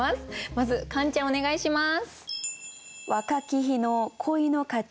まずカンちゃんお願いします。